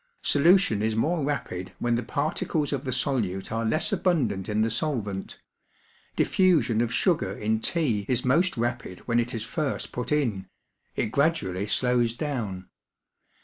Solution is more rapid when the particles of the solute are less abundant in the solvent; diffusion of sugar in tea is most rapid when it is first put in; it gradually slows down.